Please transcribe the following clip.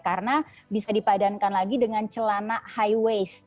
karena bisa dipadankan lagi dengan celana high waist